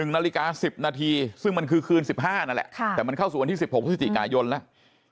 ๑นาฬิกา๑๐นาทีซึ่งมันคือคืน๑๕นั่นแหละแต่มันเข้าสู่วันที่๑๖พฤศจิกายนแล้ว